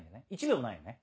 １秒もないよね？